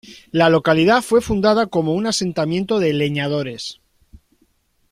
La localidad fue fundada como una asentamiento de leñadores.